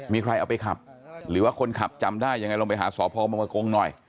มีใครเอาไปขับหรือว่าคนขับจำได้ยังไงลองไปหาสพมกงหน่อย